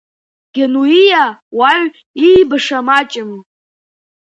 Генуиа уаҩ иибаша маҷым.